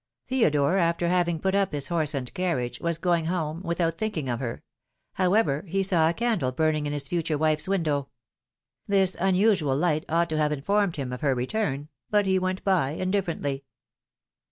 Theodore, after having put up his horse and carriage, was going home without think ing of her ; however, he saw a candle burning in his future wife's window. This unusual light ought to have in formed him of her return ; but he went by, indiiferently.